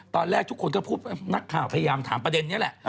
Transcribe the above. ตอนแรกทุกคนก็พูดนักข่าวพยายามถามประเด็นนี้แหละ